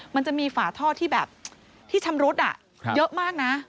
มันจะมีฝาท่อที่แบบที่ชำรุดเยอะมากนะ